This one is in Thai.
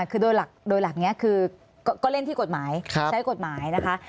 คือโดยหลักนี้คือก็เล่นที่กฎหมายใช้กฎหมายนะคะ